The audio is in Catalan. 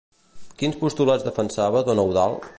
Quins postulats defensava don Eudald?